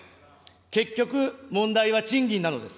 結局、問題は賃金なのです。